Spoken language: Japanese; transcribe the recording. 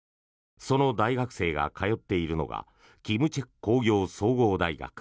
その大学生が通っているのが金策工業総合大学。